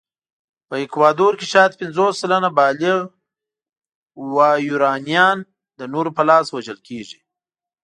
په اکوادور کې شاید پنځوس سلنه بالغ وایورانيان د نورو په لاس وژل کېږي.